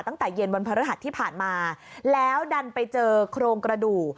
ตั้งแต่เย็นวันพระฤหัสที่ผ่านมาแล้วดันไปเจอโครงกระดูก